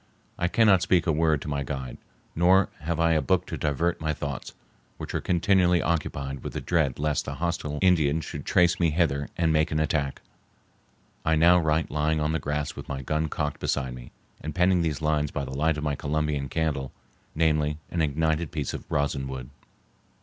I cannot speak a word to my guide, nor have I a book to divert my thoughts, which are continually occupied with the dread lest the hostile Indians should trace me hither and make an attack. I now write lying on the grass with my gun cocked beside me, and penning these lines by the light of my Columbian candle, namely, an ignited piece of rosin wood.